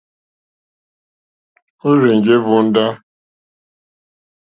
Ó rzènjé hvóndá.